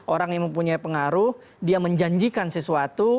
orang yang mempunyai pengaruh dia menjanjikan sesuatu